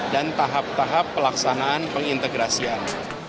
dan tahap tahap pelaksanaan pengintegrasian